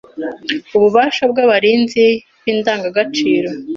Ububasha bw’abarinzi b’Indangagaciro